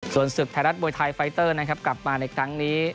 ส่วนศึกไทยรัฐมวยไทยไฟเตอร์นะครับกลับมาในครั้งนี้